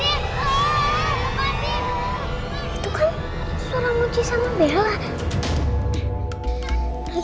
itu kan suara muci sama bella